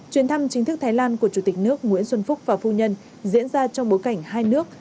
chuyến thăm chính thức thái lan của chủ tịch nước nguyễn xuân phúc và phu nhân diễn ra trong bối cảnh hai nước